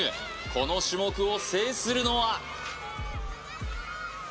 この種目を制するのは？